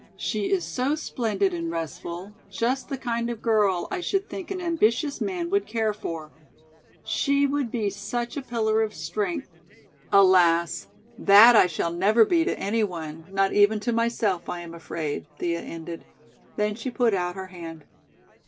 She is so splendid and restful, just the kind of girl I should think an ambitious man would care for. She would be such a pillar of strength. Alas, that I shall never be to any one, not even to myself I am afraid!" Thea ended. Then she put out her hand.